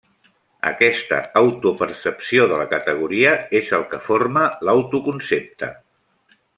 Aquesta autopercepció de categoria és el que forma l’autoconcepte.